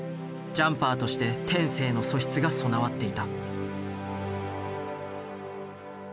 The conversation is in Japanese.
ジャンパーとして天性の素質が備わっていた。